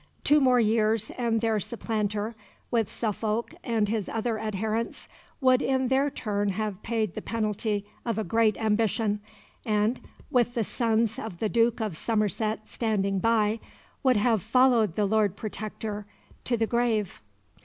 Two more years and their supplanter, with Suffolk and his other adherents, would in their turn have paid the penalty of a great ambition, and, "with the sons of the Duke of Somerset standing by," would have followed the Lord Protector to the grave.